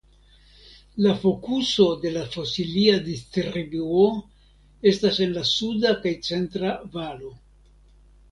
La fokuso de la fosilia distribuo estas en la suda kaj centra valo.